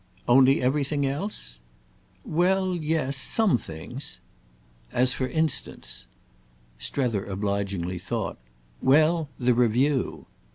"Only everything else?" "Well, yes—some things." "As for instance—?" Strether obligingly thought. "Well, the Review."